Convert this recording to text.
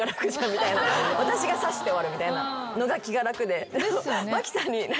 私が刺して終わるみたいなのが気が楽で。